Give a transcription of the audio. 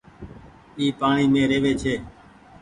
اي پآڻيٚ مين رهوي ڇي۔